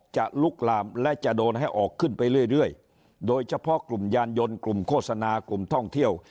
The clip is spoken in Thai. ลุกลามและจะโดนให้ออกขึ้นไปเรื่อยโดยเฉพาะกลุ่มยานยนต์กลุ่มโฆษณากลุ่มท่องเที่ยว